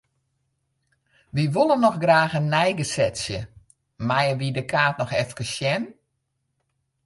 Wy wolle noch graach in neigesetsje, meie wy de kaart noch efkes sjen?